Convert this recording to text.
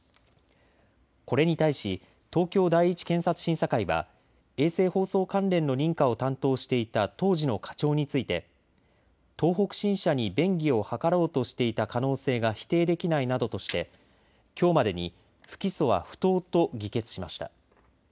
これに対し東京第一検察審査会は衛生放送関連の認可を担当していた当時の課長について東北新社に便宜を図ろうとしていた可能性が否定できないなどとしてきょうまでに不起訴は不当と議決しました。